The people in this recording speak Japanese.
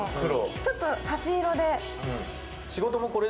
ちょっと差し色で。